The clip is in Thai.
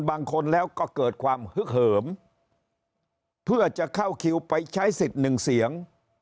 บางคนแล้วก็เกิดความฮึกเหิมเพื่อจะเข้าคิวไปใช้สิทธิ์หนึ่งเสียง